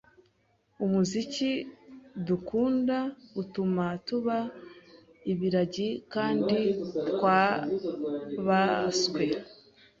Umuziki dukunda utuma tuba ibiragi kandi twabaswe